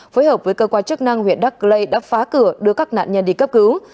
phối hợp với cơ quan chức năng huyện đắc lây đã phá cửa đưa các nạn nhân đi cấp cứu